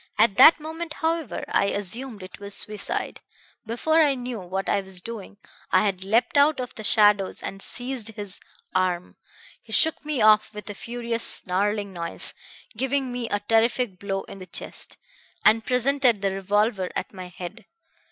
"At that moment, however, I assumed it was suicide. Before I knew what I was doing I had leapt out of the shadows and seized his arm. He shook me off with a furious snarling noise, giving me a terrific blow in the chest, and presented the revolver at my head.